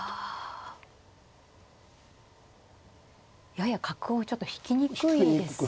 やや角をちょっと引きにくいですね。